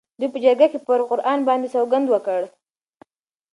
دوی په جرګه کې پر قرآن باندې سوګند وکړ.